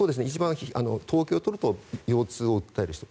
統計を取ると腰痛を訴える人が。